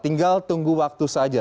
tinggal tunggu waktu saja